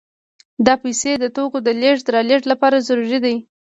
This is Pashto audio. دا پیسې د توکو د لېږد رالېږد لپاره ضروري دي